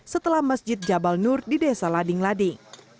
setelah masjid jabal nur di desa lading lading